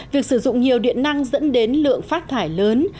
việc sử dụng nhiều điện năng dẫn đến lượng phát thải lớn